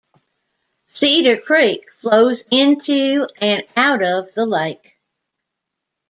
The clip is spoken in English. Cedar Creek flows into and out of the lake.